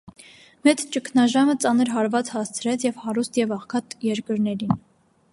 Մեծ ճգնաժամը ծանր հարված հասցրեց և հարուստ և աղքատ երկրներին։